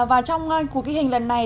và trong cuộc hình lần này